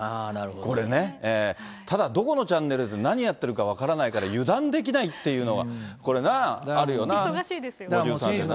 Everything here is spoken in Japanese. これね、ただ、どこのチャンネルで何やってるか分からないから油断できないっていうのが、こ忙しいですよね。